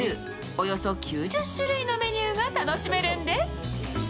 およそ９０種類のメニューが楽しめるんです。